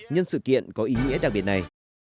nhân sự kiện có ý nghĩa đặc biệt này